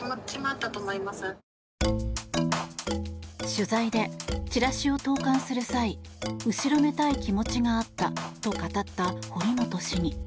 取材でチラシを投函する際後ろめたい気持ちがあったと語った堀本市議。